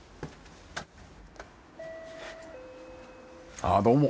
ああどうも。